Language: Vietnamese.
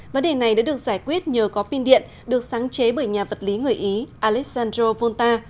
vấn đề này đã được giải quyết nhờ có pin điện được sáng chế bởi nhà vật lý người ý alessandro volta